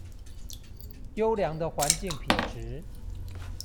優良的環境品質